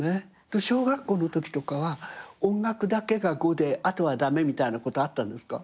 小学校のときとかは音楽だけが５であとは駄目みたいなことあったんですか？